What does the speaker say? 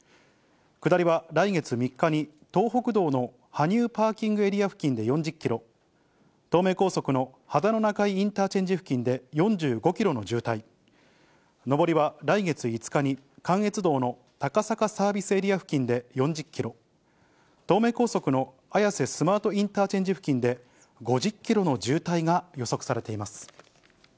下りは来月３日に、東北道の羽生パーキングエリア付近で４０キロ、東名高速の秦野中井インターチェンジ付近で４５キロの渋滞、上りは来月５日に、関越道の高坂サービスエリア付近で４０キロ、東名高速の綾瀬スマートインターチェンジ付近で５０キロの渋滞が予測されています。